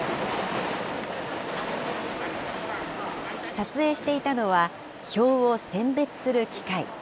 撮影していたのは、票を選別する機械。